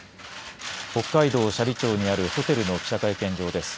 北海道斜里町にあるホテルの記者会見場です。